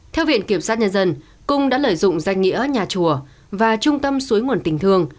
theo viện kiểm sát nhân dân cung đã lợi dụng danh nghĩa nhà chùa và trung tâm suối nguồn tình thương